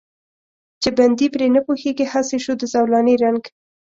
چې بندي پرې نه پوهېږي، هسې شو د زولانې رنګ.